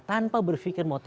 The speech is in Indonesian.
tanpa berfikir mau terbuka